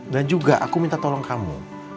dan juga aku minta tolong kamu